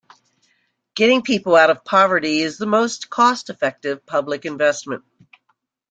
Getting people out of poverty is the most cost-effective public investment.